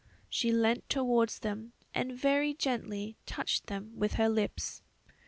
She leant towards them and very gently touched them with her lips.